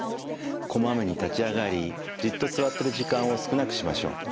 こまめに立ち上がりじっと座ってる時間を少なくしましょう。